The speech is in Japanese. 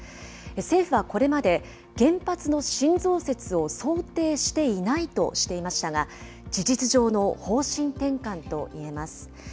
政府はこれまで、原発の新増設を想定していないとしていましたが、事実上の方針転換といえます。